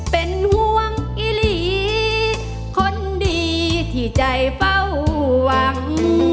เป็นห่วงอิหลีคนดีที่ใจเฝ้าหวัง